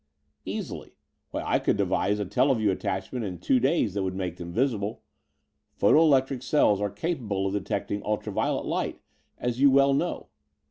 "Easily. Why, I could devise a teleview attachment in two days that would make them visible. Photo electric cells are capable of detecting ultra violet light as you well know.